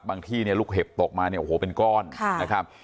ที่เนี่ยลูกเห็บตกมาเนี่ยโอ้โหเป็นก้อนนะครับ